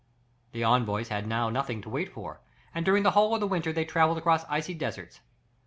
The envoys had now nothing to wait for, and during the whole of the winter they travelled across icy deserts.